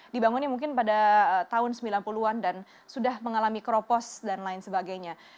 dibangunnya mungkin pada tahun sembilan puluh an dan sudah mengalami keropos dan lain sebagainya